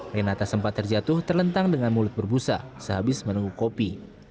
rinata sempat terjatuh terlentang dengan mulut berbusa sehabis menunggu kopi